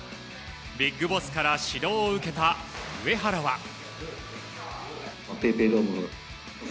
ビッグボスから指導を受けた上原は。